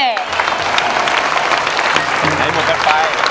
ใช้หมดกันไป